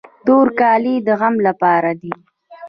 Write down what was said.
تور کالي د غم لپاره دي.